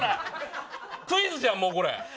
クイズじゃん、これ！